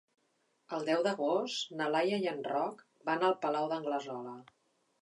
El deu d'agost na Laia i en Roc van al Palau d'Anglesola.